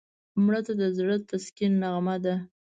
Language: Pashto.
مړه ته د زړه تسکین نغمه ده